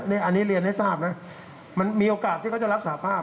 อันนี้เรียนให้ทราบนะมันมีโอกาสที่เขาจะรับสาภาพ